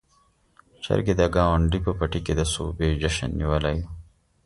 چرګې د ګاونډي په پټي کې د سوبې جشن نيولی و.